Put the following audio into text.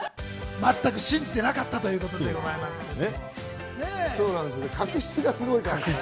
全く信じてなかったということでございますね。